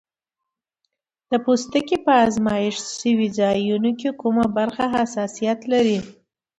د پوستکي په آزمېښت شوي ځایونو کې کومه برخه حساسیت لري؟